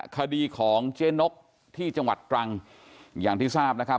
คดีของเจ๊นกที่จังหวัดตรังอย่างที่ทราบนะครับ